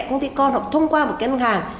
công ty con họ thông qua một cái ngân hàng